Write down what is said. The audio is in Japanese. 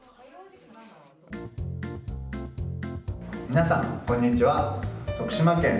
皆さんこんにちは。